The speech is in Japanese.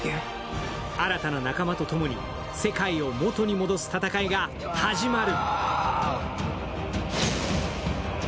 新たな仲間とともに世界を元に戻す戦いが始まる。